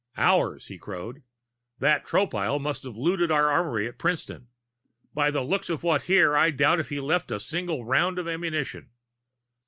"Ours!" he crowed. "That Tropile must've looted our armory at Princeton. By the looks of what's here, I doubt if he left a single round of ammunition.